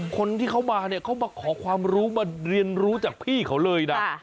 คนที่เขามาเนี่ยเขามาขอความรู้มาเรียนรู้จากพี่เขาเลยนะ